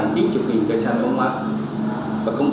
công ty công viên cây xanh đà nẵng gắn chín mươi cây xanh bóng mát